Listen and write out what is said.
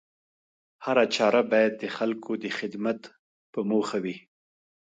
هره چاره بايد د خلکو د خدمت په موخه وي